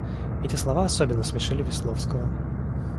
Эти слова особенно смешили Весловского.